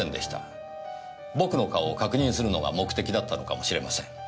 僕の顔を確認するのが目的だったのかもしれません。